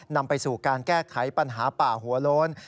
นำไปสู่การแก้ไขปัญหาป่าหัวโล้น